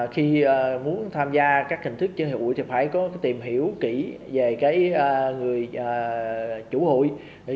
khi muốn tham gia các hình thức chơi hụi thì phải có tìm hiểu kỹ về người chủ hụi